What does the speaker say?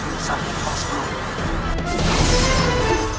apa yang sedang dia lakukan